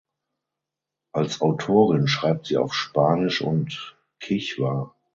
Als Autorin schreibt sie auf Spanisch und Kichwa.